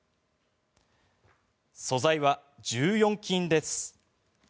素材は１４金です。